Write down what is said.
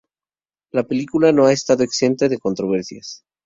La película no ha estado exenta de controversias.